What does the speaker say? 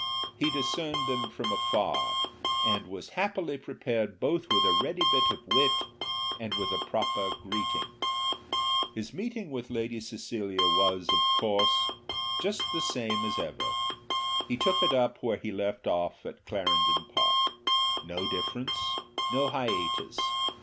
He discerned them from afar, and was happily prepared both with a ready bit of wit and with a proper greeting. His meeting with Lady Cecilia was, of course, just the same as ever. He took it up where he left off at Clarendon Park; no difference, no hiatus.